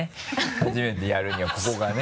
初めてやるにはここがね。